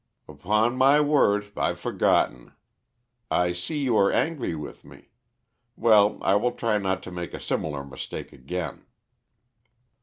"Upon my word, I've forgotten. I see you are angry with me. Well, I will try not to make a similar mistake again."